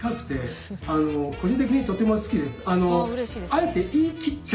あえて言い切っちゃう。